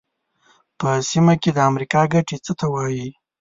په سیمه کې د امریکا ګټې څه ته وایي.